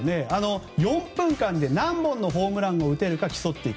４分間で何本のホームランを打てるか競っていく。